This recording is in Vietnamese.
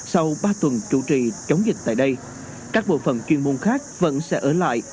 sau ba tuần chủ trì chống dịch tại đây các bộ phận chuyên môn khác vẫn sẽ ở lại